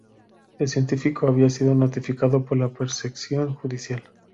El científico había sido notificado por la prosecución judicial.